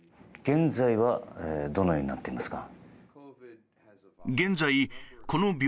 現在はどのようになってるんですか。